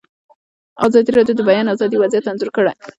ازادي راډیو د د بیان آزادي وضعیت انځور کړی.